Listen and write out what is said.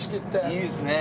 いいですね。